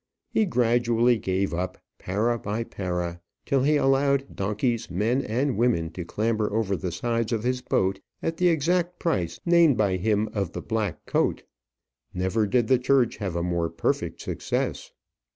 He gradually gave up, para by para, till he allowed donkeys, men, and women to clamber over the sides of his boat at the exact price named by him of the black coat. Never did the church have a more perfect success.